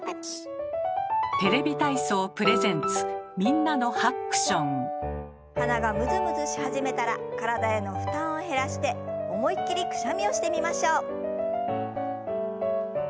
「テレビ体操」プレゼンツ鼻がムズムズし始めたら体への負担を減らして思いっきりくしゃみをしてみましょう。